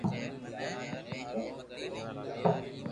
مارو ڪوم مينکو ني ھمجاو ھي